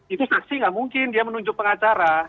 itu saksi nggak mungkin dia menunjuk pengacara